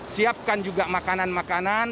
siapkan juga makanan makanan